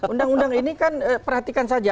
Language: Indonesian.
undang undang ini kan perhatikan saja